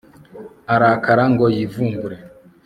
arakara ngo yivumbure